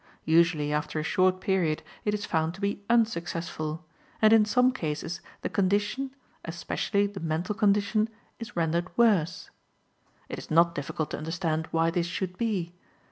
Usually, after a short period, it is found to be unsuccessful, and in some cases the condition, especially the mental condition, is rendered worse. It is not difficult to understand why this should be.